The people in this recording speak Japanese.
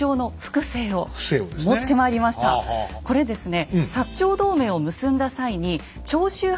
これですね